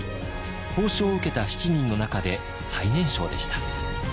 褒章を受けた７人の中で最年少でした。